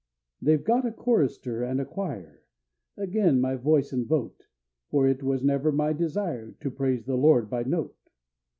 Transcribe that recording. They've got a chorister and choir, Ag'in' my voice and vote; For it was never my desire, To praise the Lord by note!